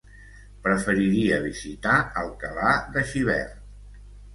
Preferiria visitar Alcalà de Xivert.